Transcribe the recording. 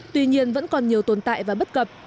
tuy nhiên vẫn còn nhiều tồn tại và bất cập